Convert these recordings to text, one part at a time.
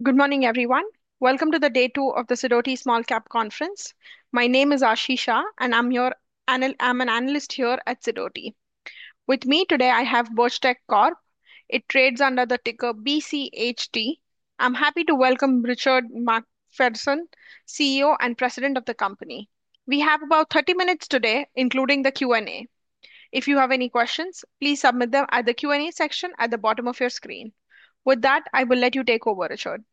Good morning, everyone. Welcome to day two of the Sidoti Small Cap Conference. My name is Aashi Shah, and I'm an analyst here at Sidoti. With me today, I have Birchtech Corp. It trades under the ticker BCHT. I'm happy to welcome Richard MacPherson, CEO and President of the company. We have about 30 minutes today, including the Q&A. If you have any questions, please submit them at the Q&A section at the bottom of your screen. With that, I will let you take over, Richard.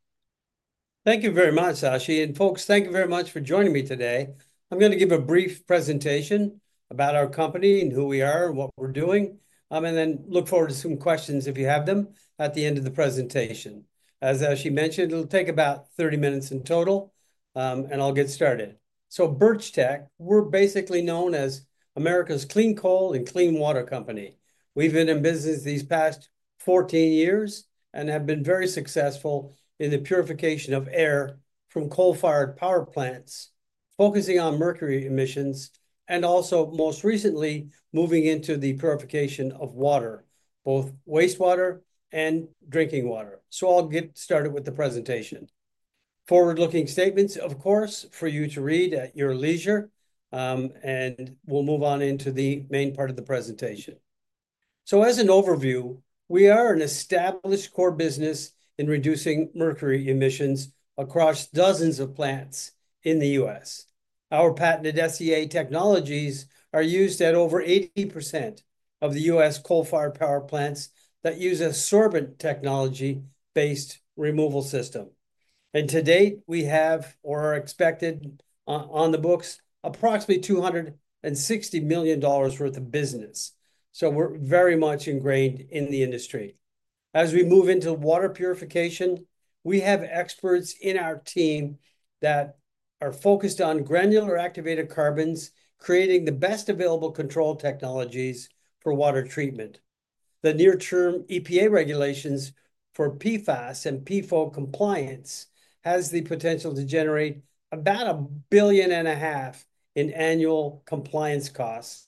Thank you very much, Aashi. Folks, thank you very much for joining me today. I'm going to give a brief presentation about our company and who we are and what we're doing, and then look forward to some questions if you have them at the end of the presentation. As Aashi mentioned, it'll take about 30 minutes in total, and I'll get started. Birchtech, we're basically known as America's clean coal and clean water company. We've been in business these past 14 years and have been very successful in the purification of air from coal-fired power plants, focusing on mercury emissions, and also most recently moving into the purification of water, both wastewater and drinking water. I'll get started with the presentation. Forward-looking statements, of course, for you to read at your leisure, and we'll move on into the main part of the presentation. As an overview, we are an established core business in reducing mercury emissions across dozens of plants in the U.S. Our patented SEA Technologies are used at over 80% of the U.S. coal-fired power plants that use a sorbent technology-based removal system. To date, we have, or are expected on the books, approximately $260 million worth of business. We are very much ingrained in the industry. As we move into water purification, we have experts in our team that are focused on granular activated carbons, creating the best available control technologies for water treatment. The near-term EPA regulations for PFAS and PFOA compliance have the potential to generate about $1.5 billion in annual compliance costs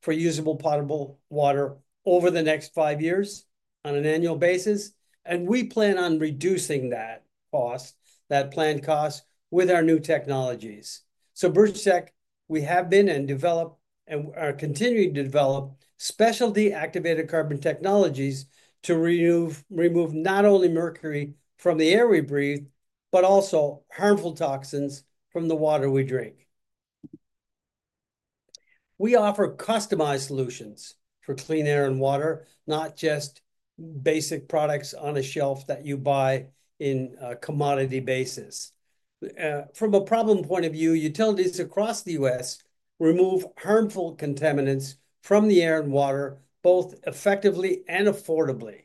for usable potable water over the next five years on an annual basis. We plan on reducing that cost, that planned cost, with our new technologies. Birchtech, we have been and develop and are continuing to develop specialty activated carbon technologies to remove not only mercury from the air we breathe, but also harmful toxins from the water we drink. We offer customized solutions for clean air and water, not just basic products on a shelf that you buy on a commodity basis. From a problem point of view, utilities across the U.S. remove harmful contaminants from the air and water both effectively and affordably.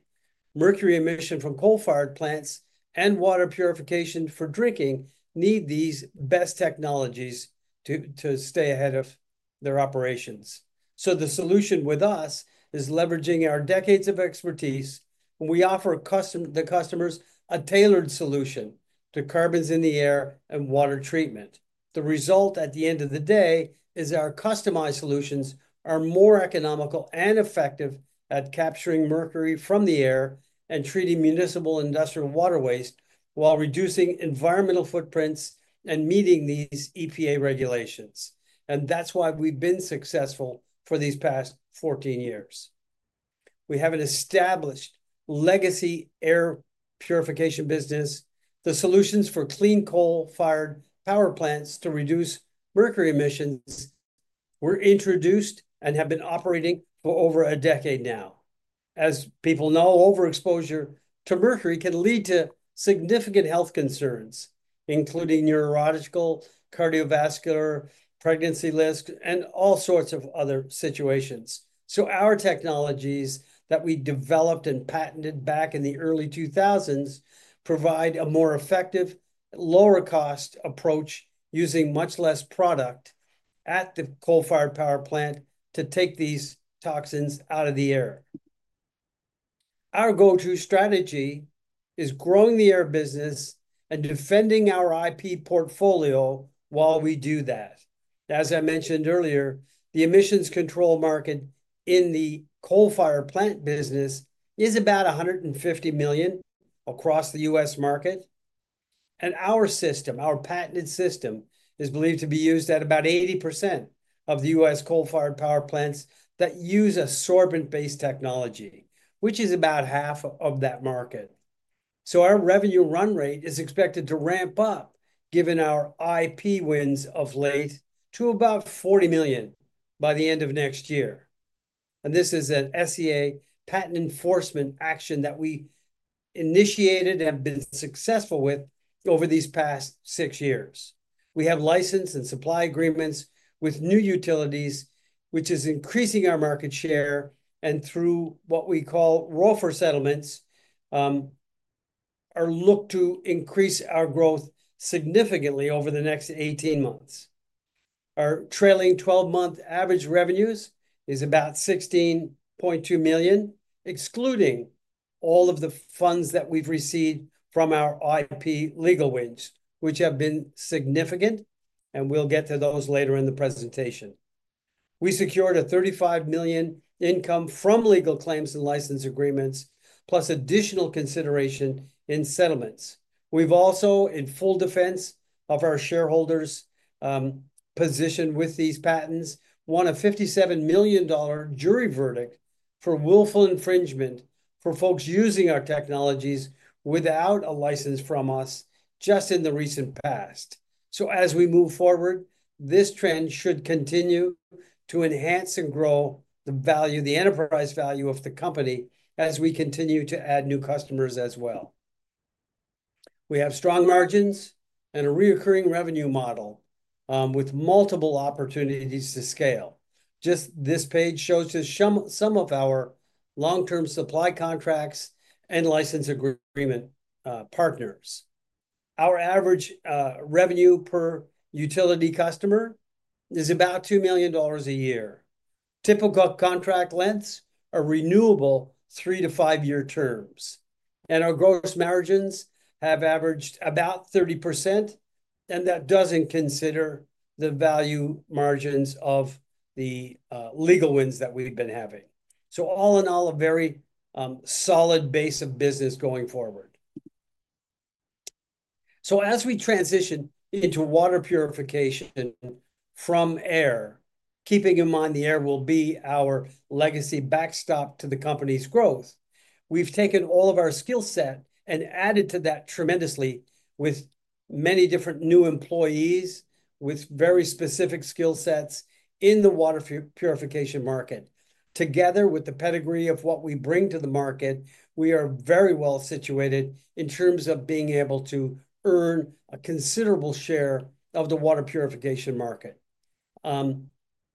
Mercury emission from coal-fired plants and water purification for drinking need these best technologies to stay ahead of their operations. The solution with us is leveraging our decades of expertise, and we offer the customers a tailored solution to carbons in the air and water treatment. The result at the end of the day is our customized solutions are more economical and effective at capturing mercury from the air and treating municipal industrial water waste while reducing environmental footprints and meeting these EPA regulations. That is why we have been successful for these past 14 years. We have an established legacy air purification business. The solutions for clean coal-fired power plants to reduce mercury emissions were introduced and have been operating for over a decade now. As people know, overexposure to mercury can lead to significant health concerns, including neurological, cardiovascular, pregnancy risks, and all sorts of other situations. Our technologies that we developed and patented back in the early 2000s provide a more effective, lower-cost approach using much less product at the coal-fired power plant to take these toxins out of the air. Our go-to strategy is growing the air business and defending our IP portfolio while we do that. As I mentioned earlier, the emissions control market in the coal-fired plant business is about $150 million across the U.S. market. Our system, our patented system, is believed to be used at about 80% of the U.S. coal-fired power plants that use a sorbent-based technology, which is about half of that market. Our revenue run rate is expected to ramp up, given our IP wins of late, to about $40 million by the end of next year. This is an SEA patent enforcement action that we initiated and have been successful with over these past six years. We have license and supply agreements with new utilities, which is increasing our market share, and through what we call ROFR settlements, are looked to increase our growth significantly over the next 18 months. Our trailing 12-month average revenues is about $16.2 million, excluding all of the funds that we've received from our IP legal wins, which have been significant, and we'll get to those later in the presentation. We secured a $35 million income from legal claims and license agreements, plus additional consideration in settlements. We've also, in full defense of our shareholders' position with these patents, won a $57 million jury verdict for willful infringement for folks using our technologies without a license from us just in the recent past. As we move forward, this trend should continue to enhance and grow the value, the enterprise value of the company as we continue to add new customers as well. We have strong margins and a recurring revenue model with multiple opportunities to scale. This page shows us some of our long-term supply contracts and license agreement partners. Our average revenue per utility customer is about $2 million a year. Typical contract lengths are renewable three- to five-year terms. Our gross margins have averaged about 30%, and that does not consider the value margins of the legal wins that we have been having. All in all, a very solid base of business going forward. As we transition into water purification from air, keeping in mind the air will be our legacy backstop to the company's growth, we've taken all of our skill set and added to that tremendously with many different new employees with very specific skill sets in the water purification market. Together with the pedigree of what we bring to the market, we are very well situated in terms of being able to earn a considerable share of the water purification market.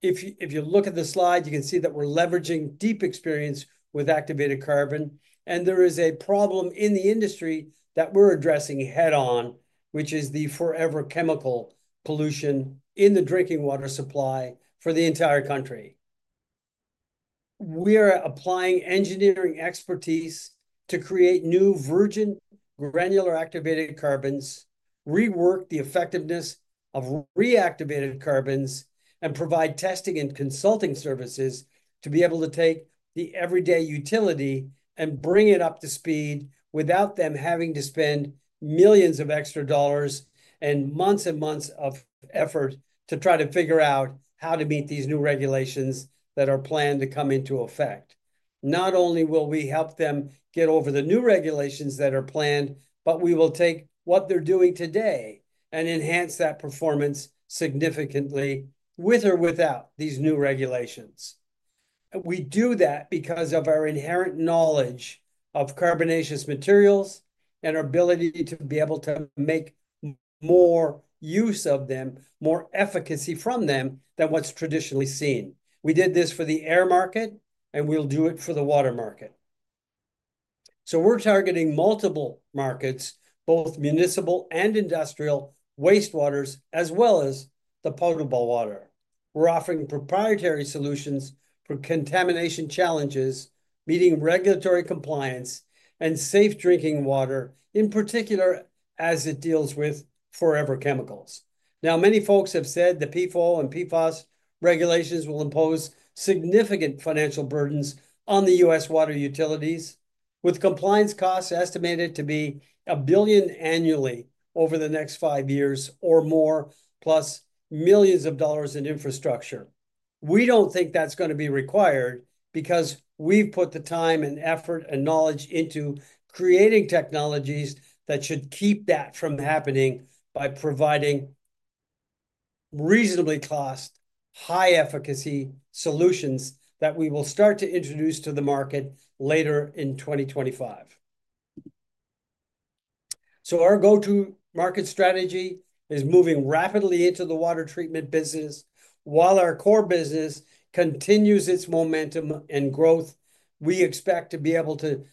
If you look at the slide, you can see that we're leveraging deep experience with activated carbon, and there is a problem in the industry that we're addressing head-on, which is the forever chemical pollution in the drinking water supply for the entire country. We are applying engineering expertise to create new virgin granular activated carbons, rework the effectiveness of reactivated carbons, and provide testing and consulting services to be able to take the everyday utility and bring it up to speed without them having to spend millions of extra dollars and months and months of effort to try to figure out how to meet these new regulations that are planned to come into effect. Not only will we help them get over the new regulations that are planned, but we will take what they're doing today and enhance that performance significantly with or without these new regulations. We do that because of our inherent knowledge of carbonaceous materials and our ability to be able to make more use of them, more efficacy from them than what's traditionally seen. We did this for the air market, and we'll do it for the water market. We're targeting multiple markets, both municipal and industrial wastewaters, as well as the potable water. We're offering proprietary solutions for contamination challenges, meeting regulatory compliance, and safe drinking water, in particular as it deals with forever chemicals. Now, many folks have said the PFOA and PFAS regulations will impose significant financial burdens on the U.S. water utilities, with compliance costs estimated to be $1 billion annually over the next five years or more, plus millions of dollars in infrastructure. We don't think that's going to be required because we've put the time and effort and knowledge into creating technologies that should keep that from happening by providing reasonably cost, high-efficacy solutions that we will start to introduce to the market later in 2025. Our go-to market strategy is moving rapidly into the water treatment business. While our core business continues its momentum and growth, we expect to be able to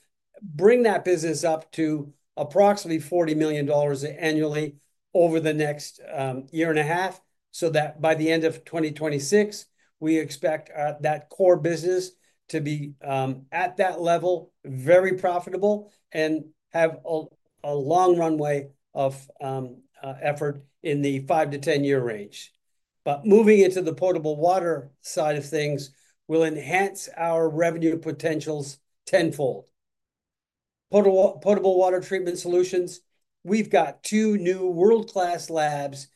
bring that business up to approximately $40 million annually over the next year and a half so that by the end of 2026, we expect that core business to be at that level, very profitable, and have a long runway of effort in the 5 year-10 year range. Moving into the potable water side of things will enhance our revenue potentials tenfold. Potable water treatment solutions, we've got two new world-class labs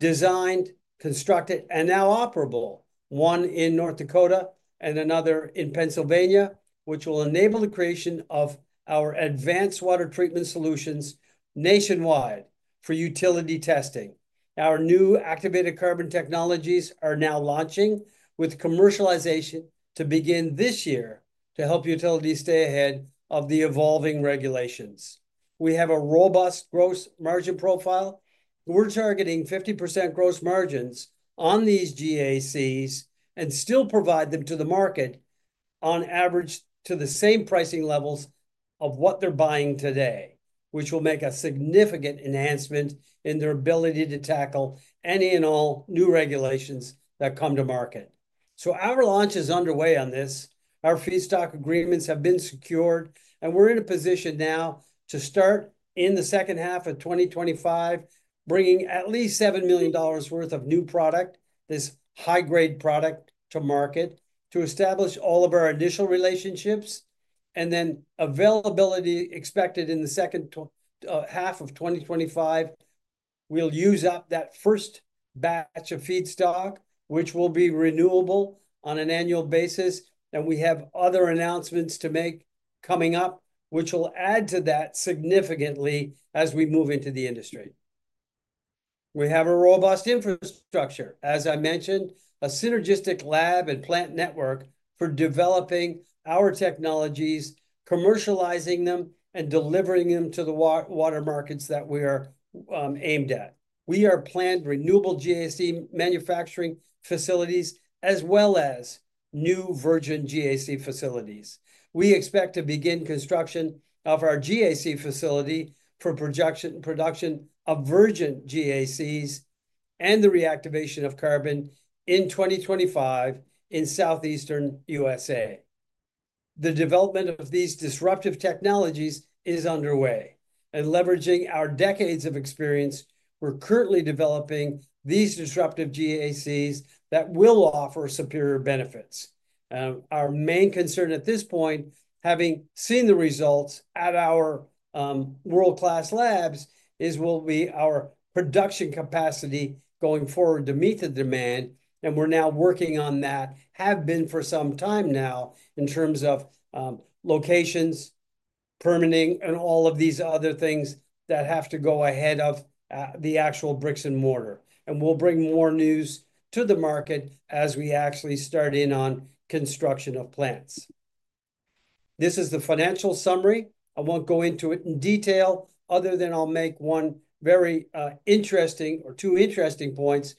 designed, constructed, and now operable, one in North Dakota and another in Pennsylvania, which will enable the creation of our advanced water treatment solutions nationwide for utility testing. Our new activated carbon technologies are now launching with commercialization to begin this year to help utilities stay ahead of the evolving regulations. We have a robust gross margin profile. We're targeting 50% gross margins on these GACs and still provide them to the market on average to the same pricing levels of what they're buying today, which will make a significant enhancement in their ability to tackle any and all new regulations that come to market. Our launch is underway on this. Our feedstock agreements have been secured, and we're in a position now to start in the second half of 2025 bringing at least $7 million worth of new product, this high-grade product to market to establish all of our initial relationships. Availability is expected in the second half of 2025. We'll use up that first batch of feedstock, which will be renewable on an annual basis. We have other announcements to make coming up, which will add to that significantly as we move into the industry. We have a robust infrastructure, as I mentioned, a synergistic lab and plant network for developing our technologies, commercializing them, and delivering them to the water markets that we are aimed at. We are planned renewable GAC manufacturing facilities as well as new virgin GAC facilities. We expect to begin construction of our GAC facility for production of virgin GACs and the reactivation of carbon in 2025 in southeastern USA. The development of these disruptive technologies is underway. Leveraging our decades of experience, we're currently developing these disruptive GACs that will offer superior benefits. Our main concern at this point, having seen the results at our world-class labs, will be our production capacity going forward to meet the demand. We are now working on that, have been for some time now in terms of locations, permitting, and all of these other things that have to go ahead of the actual bricks and mortar. We will bring more news to the market as we actually start in on construction of plants. This is the financial summary. I will not go into it in detail other than I will make one very interesting or two interesting points.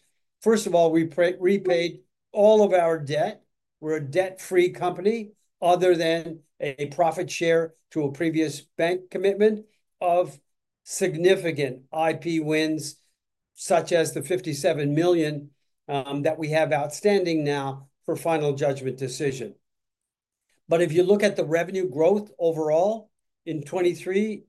First of all, we repaid all of our debt. We are a debt-free company other than a profit share to a previous bank commitment of significant IP wins such as the $57 million that we have outstanding now for final judgment decision. If you look at the revenue growth overall in 2023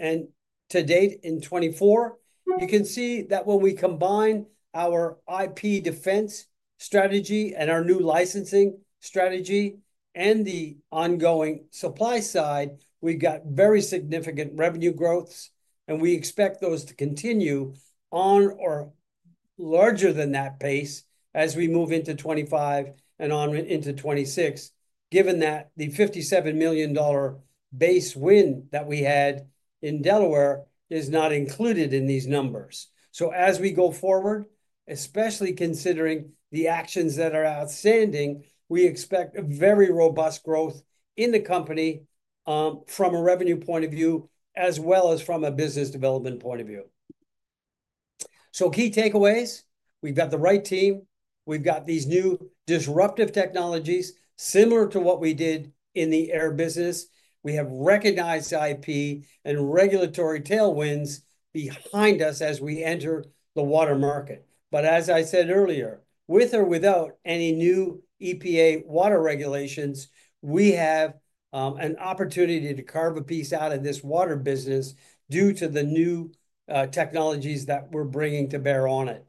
and to date in 2024, you can see that when we combine our IP defense strategy and our new licensing strategy and the ongoing supply side, we have very significant revenue growths, and we expect those to continue on or larger than that pace as we move into 2025 and on into 2026, given that the $57 million base win that we had in Delaware is not included in these numbers. As we go forward, especially considering the actions that are outstanding, we expect a very robust growth in the company from a revenue point of view as well as from a business development point of view. Key takeaways, we have the right team. We have these new disruptive technologies similar to what we did in the air business. We have recognized IP and regulatory tailwinds behind us as we enter the water market. As I said earlier, with or without any new EPA water regulations, we have an opportunity to carve a piece out of this water business due to the new technologies that we're bringing to bear on it.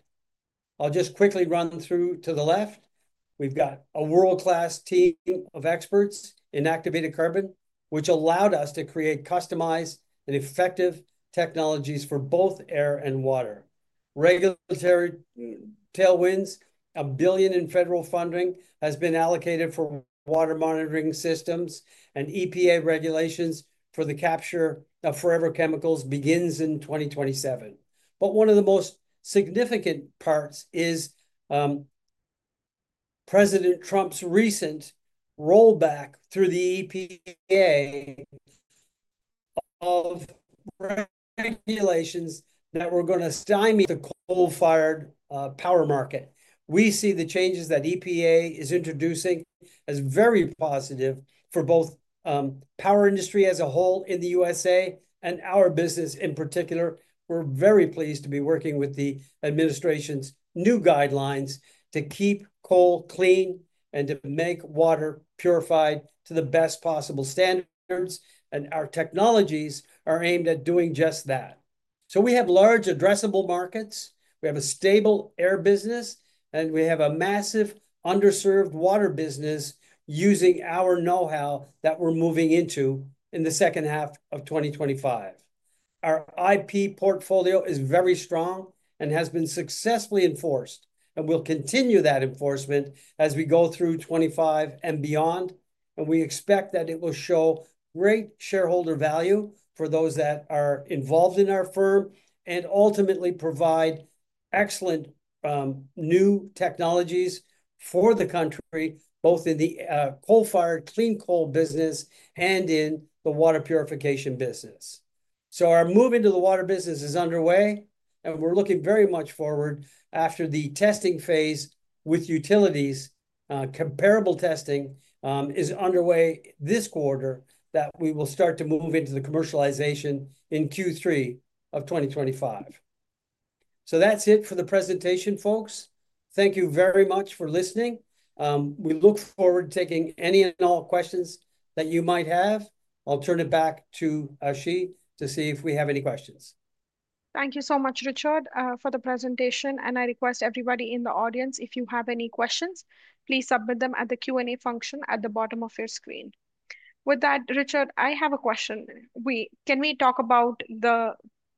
I'll just quickly run through to the left. We've got a world-class team of experts in activated carbon, which allowed us to create customized and effective technologies for both air and water. Regulatory tailwinds, $1 billion in federal funding has been allocated for water monitoring systems and EPA regulations for the capture of forever chemicals begins in 2027. One of the most significant parts is President Trump's recent rollback through the EPA of regulations that were going to stymie the coal-fired power market. We see the changes that EPA is introducing as very positive for both power industry as a whole in the U.S. and our business in particular. We're very pleased to be working with the administration's new guidelines to keep coal clean and to make water purified to the best possible standards. Our technologies are aimed at doing just that. We have large addressable markets. We have a stable air business, and we have a massive underserved water business using our know-how that we're moving into in the second half of 2025. Our IP portfolio is very strong and has been successfully enforced, and we'll continue that enforcement as we go through 2025 and beyond. We expect that it will show great shareholder value for those that are involved in our firm and ultimately provide excellent new technologies for the country, both in the coal-fired clean coal business and in the water purification business. Our move into the water business is underway, and we're looking very much forward after the testing phase with utilities, comparable testing is underway this quarter that we will start to move into the commercialization in Q3 of 2025. That is it for the presentation, folks. Thank you very much for listening. We look forward to taking any and all questions that you might have. I'll turn it back to Aashi to see if we have any questions. Thank you so much, Richard, for the presentation. I request everybody in the audience, if you have any questions, please submit them at the Q&A function at the bottom of your screen. With that, Richard, I have a question. Can we talk about the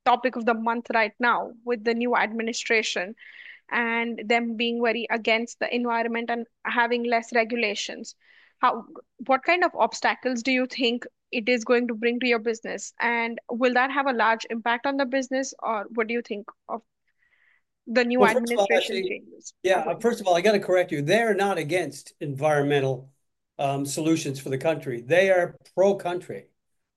topic of the month right now with the new administration and them being very against the environment and having less regulations? What kind of obstacles do you think it is going to bring to your business? Will that have a large impact on the business, or what do you think of the new administration changes? Yeah, first of all, I got to correct you. They're not against environmental solutions for the country. They are pro-country,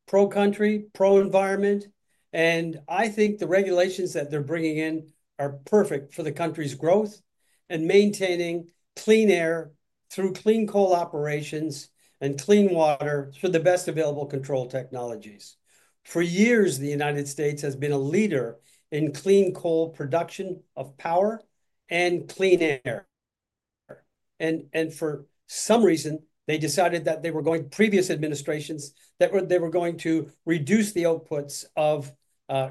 pro-country, pro-environment. I think the regulations that they're bringing in are perfect for the country's growth and maintaining clean air through clean coal operations and clean water through the best available control technologies. For years, the United States has been a leader in clean coal production of power and clean air. For some reason, they decided that they were going to, previous administrations, that they were going to reduce the outputs of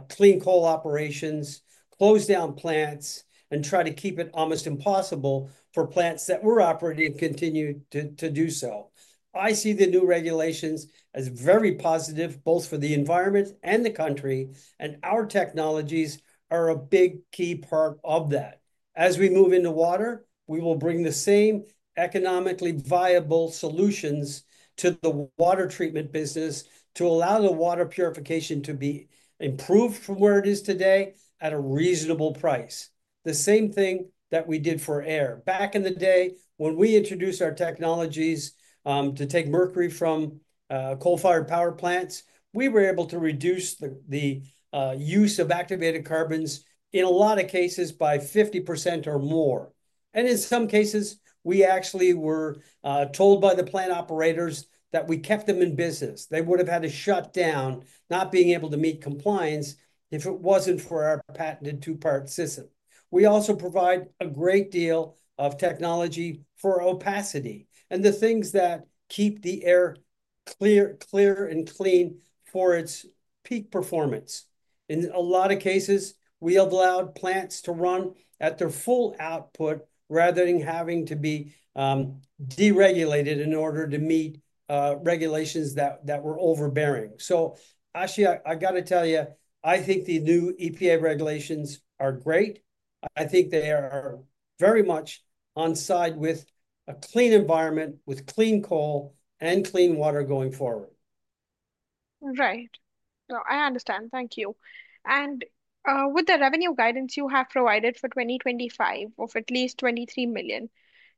clean coal operations, close down plants, and try to keep it almost impossible for plants that were operating to continue to do so. I see the new regulations as very positive both for the environment and the country, and our technologies are a big key part of that. As we move into water, we will bring the same economically viable solutions to the water treatment business to allow the water purification to be improved from where it is today at a reasonable price. The same thing that we did for air. Back in the day when we introduced our technologies to take mercury from coal-fired power plants, we were able to reduce the use of activated carbons in a lot of cases by 50% or more. In some cases, we actually were told by the plant operators that we kept them in business. They would have had to shut down, not being able to meet compliance if it was not for our patented two-part system. We also provide a great deal of technology for opacity and the things that keep the air clear and clean for its peak performance. In a lot of cases, we have allowed plants to run at their full output rather than having to be deregulated in order to meet regulations that were overbearing. Aashi, I got to tell you, I think the new EPA regulations are great. I think they are very much on side with a clean environment with clean coal and clean water going forward. Right. Now, I understand. Thank you. And with the revenue guidance you have provided for 2025 of at least $23 million,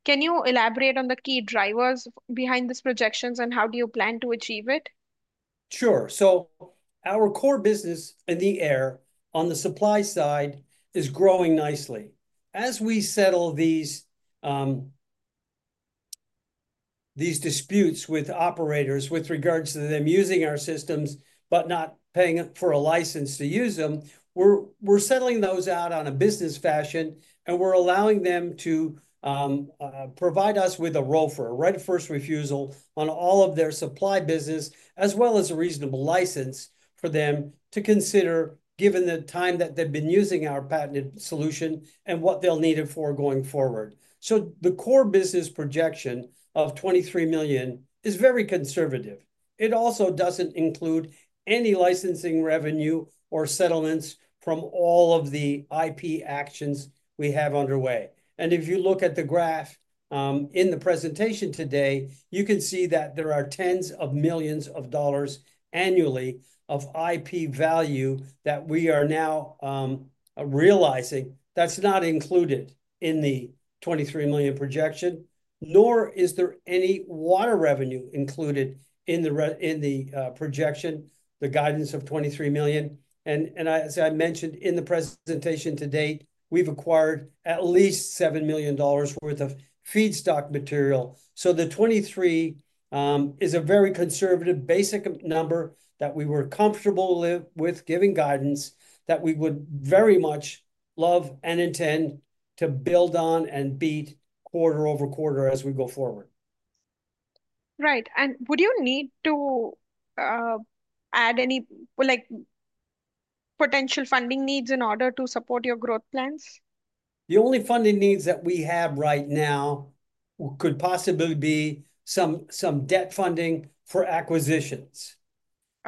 can you elaborate on the key drivers behind these projections and how do you plan to achieve it? Sure. Our core business in the air on the supply side is growing nicely. As we settle these disputes with operators with regards to them using our systems, but not paying for a license to use them, we're settling those out on a business fashion, and we're allowing them to provide us with a ROFR, right of first refusal on all of their supply business, as well as a reasonable license for them to consider given the time that they've been using our patented solution and what they'll need it for going forward. The core business projection of $23 million is very conservative. It also doesn't include any licensing revenue or settlements from all of the IP actions we have underway. If you look at the graph in the presentation today, you can see that there are tens of millions of dollars annually of IP value that we are now realizing. That's not included in the $23 million projection, nor is there any water revenue included in the projection, the guidance of $23 million. As I mentioned in the presentation to date, we've acquired at least $7 million worth of feedstock material. The $23 million is a very conservative basic number that we were comfortable with giving guidance that we would very much love and intend to build on and beat quarter over quarter as we go forward. Right. Would you need to add any potential funding needs in order to support your growth plans? The only funding needs that we have right now could possibly be some debt funding for acquisitions.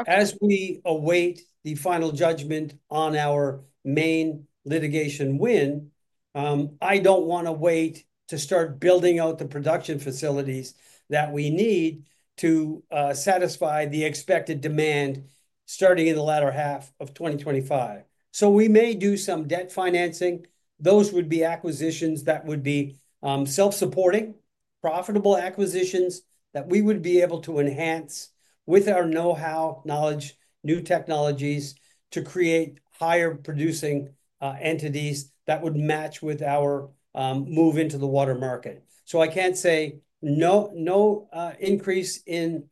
As we await the final judgment on our main litigation win, I do not want to wait to start building out the production facilities that we need to satisfy the expected demand starting in the latter half of 2025. We may do some debt financing. Those would be acquisitions that would be self-supporting, profitable acquisitions that we would be able to enhance with our know-how, knowledge, new technologies to create higher producing entities that would match with our move into the water market. I cannot say no increase in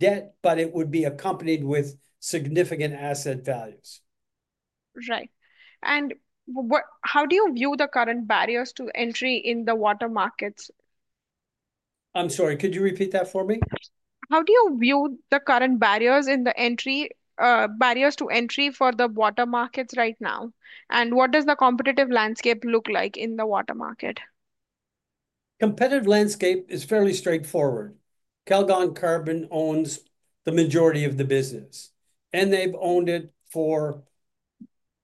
debt, but it would be accompanied with significant asset values. Right. How do you view the current barriers to entry in the water markets? I'm sorry, could you repeat that for me? How do you view the current barriers in the entry barriers to entry for the water markets right now? What does the competitive landscape look like in the water market? Competitive landscape is fairly straightforward. Calgon Carbon owns the majority of the business, and they've owned it for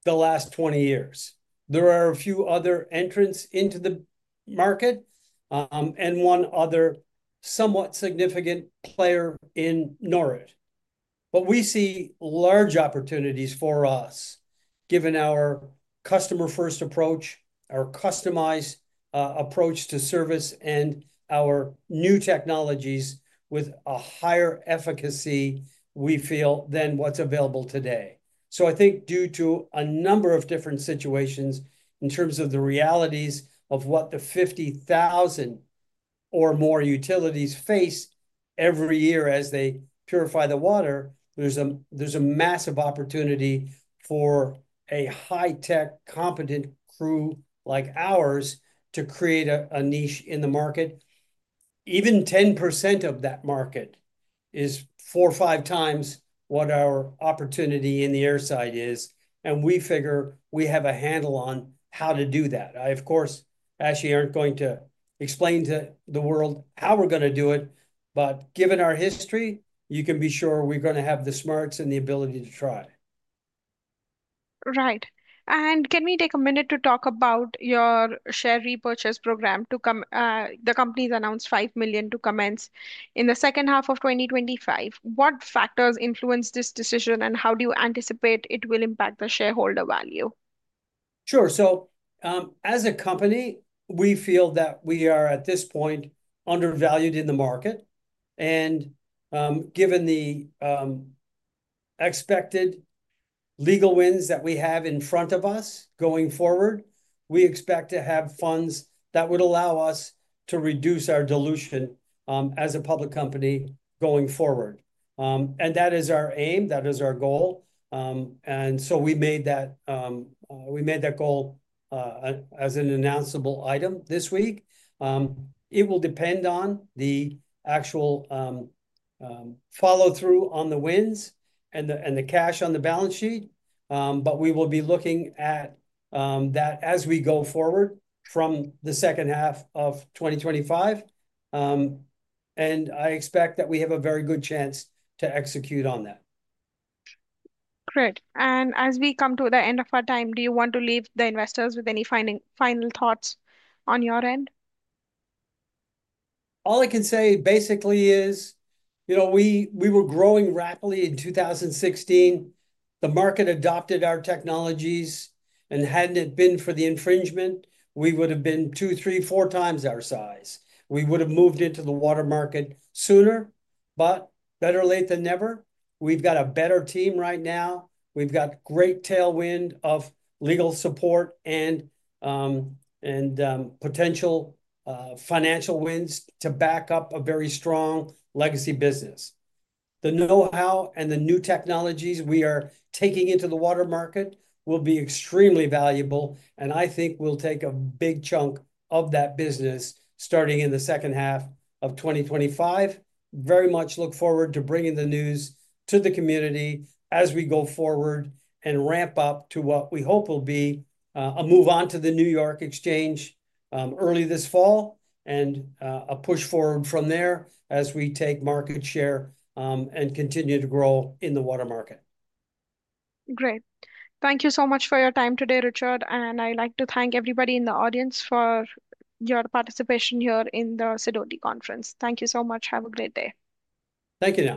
the last 20 years. There are a few other entrants into the market and one other somewhat significant player in Norit. We see large opportunities for us given our customer-first approach, our customized approach to service, and our new technologies with a higher efficacy, we feel, than what's available today. I think due to a number of different situations in terms of the realities of what the 50,000 or more utilities face every year as they purify the water, there's a massive opportunity for a high-tech, competent crew like ours to create a niche in the market. Even 10% of that market is 4x or 5x what our opportunity in the air side is. We figure we have a handle on how to do that. I, of course, actually am not going to explain to the world how we're going to do it. Given our history, you can be sure we're going to have the smarts and the ability to try. Right. Can we take a minute to talk about your share repurchase program? The company has announced $5 million to commence in the second half of 2025. What factors influence this decision, and how do you anticipate it will impact the shareholder value? Sure. As a company, we feel that we are at this point undervalued in the market. Given the expected legal wins that we have in front of us going forward, we expect to have funds that would allow us to reduce our dilution as a public company going forward. That is our aim. That is our goal. We made that goal as an announce-able item this week. It will depend on the actual follow-through on the wins and the cash on the balance sheet. We will be looking at that as we go forward from the second half of 2025. I expect that we have a very good chance to execute on that. Great. As we come to the end of our time, do you want to leave the investors with any final thoughts on your end? All I can say basically is we were growing rapidly in 2016. The market adopted our technologies. Hadn't it been for the infringement, we would have been two, three, four times our size. We would have moved into the water market sooner, but better late than never. We've got a better team right now. We've got great tailwind of legal support and potential financial wins to back up a very strong legacy business. The know-how and the new technologies we are taking into the water market will be extremely valuable. I think we'll take a big chunk of that business starting in the second half of 2025. I very much look forward to bringing the news to the community as we go forward and ramp up to what we hope will be a move on to the New York Exchange early this fall and a push forward from there as we take market share and continue to grow in the water market. Great. Thank you so much for your time today, Richard. I would like to thank everybody in the audience for your participation here in the Sidoti & Company Conference. Thank you so much. Have a great day. Thank you.